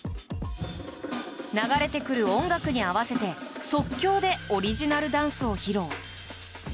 流れてくる音楽に合わせて即興でオリジナルダンスを披露。